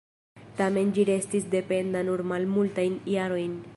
Tamen ĝi restis dependa nur malmultajn jarojn.